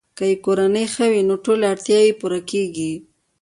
که یې کورنۍ ښه وي، نو ټولې اړتیاوې یې پوره کیږي.